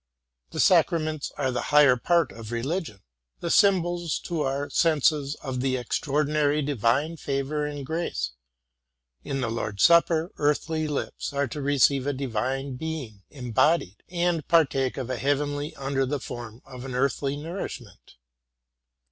The sacraments are the highest part of religion, the symbols to our senses of an extraordinary divine favor and grace. In the Lord's Supper earthly lips are to receive a divine Being embodied, and partake of a heavenly under the form of an earthly nourishment.